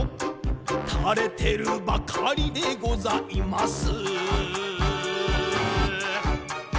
「垂れてるばかりでございます。」